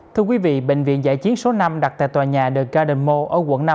thưa quý vị bệnh viện giải chiến số năm đặt tại tòa nhà the garden mall ở quận năm